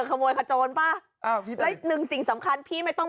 ขโมยขโจ้นป่ะและนึงสิ่งสำคัญพี่ไม่ต้อง